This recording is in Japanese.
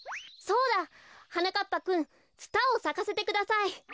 そうだ！はなかっぱくんツタをさかせてください。